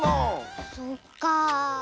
そっかあ。